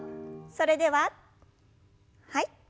それでははい。